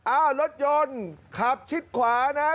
อ้าวรถยนต์ขับชิดขวานะ